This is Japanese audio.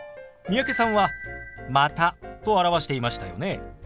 三宅さんは「また」と表していましたよね。